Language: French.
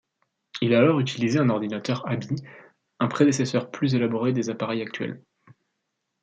Il a alors utilisé un ordinateur habit, un prédécesseur plus élaboré des appareils actuels.